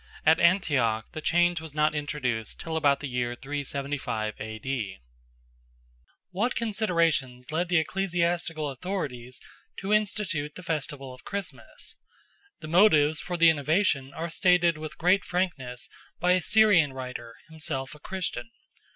At Antioch the change was not introduced till about the year 375 A.D. What considerations led the ecclesiastical authorities to institute the festival of Christmas? The motives for the innovation are stated with great frankness by a Syrian writer, himself a Christian.